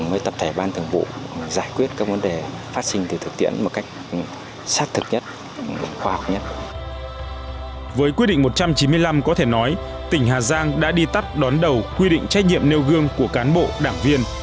với quyết định một trăm chín mươi năm có thể nói tỉnh hà giang đã đi tắt đón đầu quy định trách nhiệm nêu gương của cán bộ đảng viên